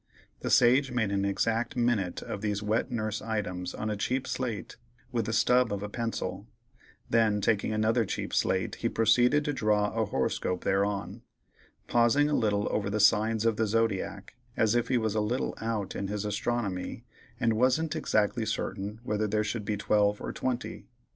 The sage made an exact minute of these wet nurse items on a cheap slate with a stub of a pencil; then taking another cheap slate, he proceeded to draw a horoscope thereon, pausing a little over the signs of the zodiac, as if he was a little out in his astronomy, and wasn't exactly certain whether there should be twelve or twenty.